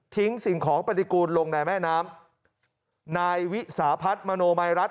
สิ่งของปฏิกูลลงในแม่น้ำนายวิสาพัฒน์มโนมัยรัฐ